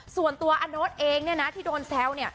ส่วนตัวอาโน๊ตเองที่โดนแซวเนี่ย